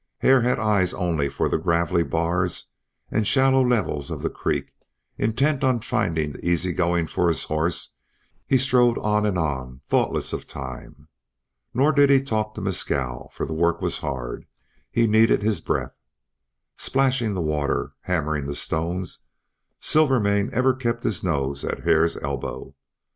Hare had eyes only for the gravelly bars and shallow levels of the creek; intent on finding the easy going for his horse he strode on and on thoughtless of time. Nor did he talk to Mescal, for the work was hard, and he needed his breath. Splashing the water, hammering the stones, Silvermane ever kept his nose at Hare's elbow.